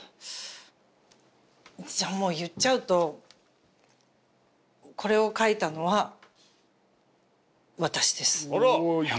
じゃあもう言っちゃうとこれを書いたのは私です。